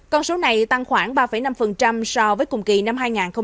con số này tăng khoảng ba năm so với cùng kỳ năm hai nghìn hai mươi ba